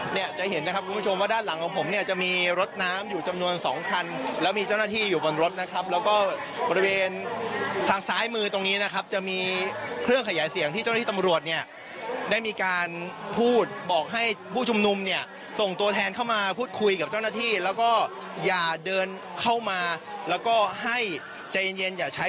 เนี่ยจะเห็นนะครับคุณผู้ชมว่าด้านหลังของผมเนี่ยจะมีรถน้ำอยู่จำนวนสองคันแล้วมีเจ้าหน้าที่อยู่บนรถนะครับแล้วก็บริเวณทางซ้ายมือตรงนี้นะครับจะมีเครื่องขยายเสียงที่เจ้าหน้าที่ตำรวจเนี่ยได้มีการพูดบอกให้ผู้ชุมนุมเนี่ยส่งตัวแทนเข้ามาพูดคุยกับเจ้าหน้าที่แล้วก็อย่าเดินเข้ามาแล้วก็ให้ใจเย็นเย็นอย่าใช้